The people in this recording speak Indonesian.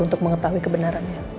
untuk mengetahui kebenarannya